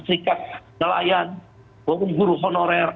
serikat nelayan maupun guru honorer